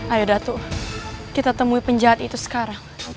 ayo datu kita temui penjahat itu sekarang